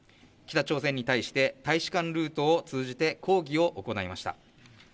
北朝鮮に対して大使館ルートを通じて抗議を行いました。